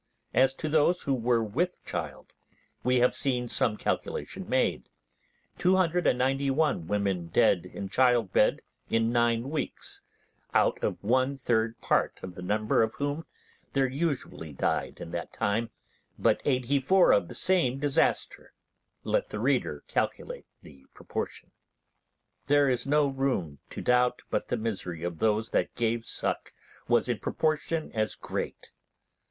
As to those who were with child, we have seen some calculation made; 291 women dead in child bed in nine weeks, out of one third part of the number of whom there usually died in that time but eighty four of the same disaster. Let the reader calculate the proportion. There is no room to doubt but the misery of those that gave suck was in proportion as great.